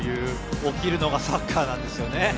起きるのがサッカーなんですよね。